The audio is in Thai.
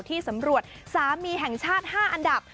ที่สำรวจสามีแห่งชาติ๕อันดับ